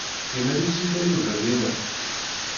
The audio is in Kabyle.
Iman-is i yella Yuba dinna?